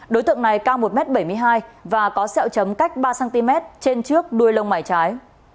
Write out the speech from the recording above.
đối tượng này cao một m bảy mươi hai và có sẹo chấm cách ba cm trên trước đuôi lông mải trái